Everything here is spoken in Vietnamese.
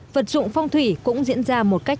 vật dụng phong thủy cũng diễn ra một cách